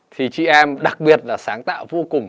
thì chị em đặc biệt là sáng tạo vô cùng